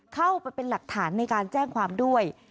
เข้าไปเป็นหลักฐานในการแจ้งความด้วย